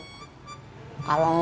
kalau tuh yang kita bilang